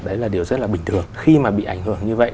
đấy là điều rất là bình thường khi mà bị ảnh hưởng như vậy